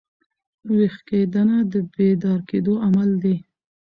ویښېدنه د بیدار کېدو عمل دئ.